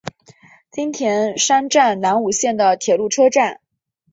津田山站南武线的铁路车站。